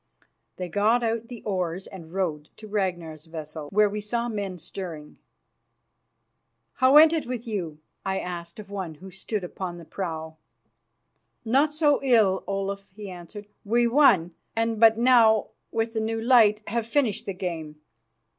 They got out the oars and rowed to Ragnar's vessel, where we saw men stirring. "How went it with you?" I asked of one who stood upon the prow. "Not so ill, Olaf," he answered. "We won, and but now, with the new light, have finished the game.